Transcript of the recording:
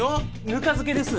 ぬか漬けです